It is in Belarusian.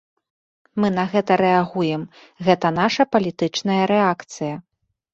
Мы на гэта рэагуем, гэта наша палітычная рэакцыя.